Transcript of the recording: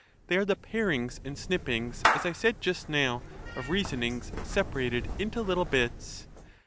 They are the parings and snippings, as I said just now, of reasonings, separated into little bits.